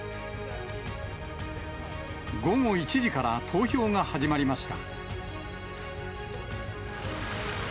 午後１時から投票が始まりました。